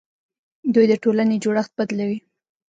دوی د ټولنې جوړښت بدلوي.